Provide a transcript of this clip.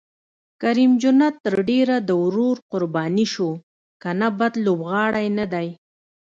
کریم جنت تر ډېره د ورور قرباني شو، که نه بد لوبغاړی نه دی.